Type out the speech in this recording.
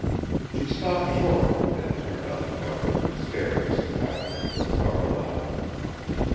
She stopped short, and turned on the couch to stare at the psychiatrist with startled eyes.